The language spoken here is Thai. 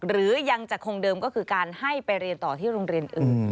หรือยังจะคงเดิมก็คือการให้ไปเรียนต่อที่โรงเรียนอื่น